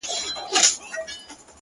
• د ژوند له ټاله به لوېدلی یمه,